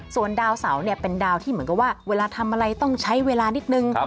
ส่วนดาวเสาเนี่ยเป็นดาวที่เหมือนกับว่าเวลาทำอะไรต้องใช้เวลานิดนึง